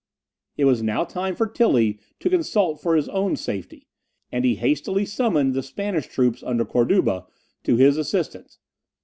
It was now time for Tilly to consult for his own safety, and he hastily summoned the Spanish troops, under Corduba, to his assistance.